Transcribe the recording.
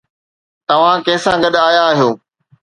توهان ڪنهن سان گڏ آيا آهيو؟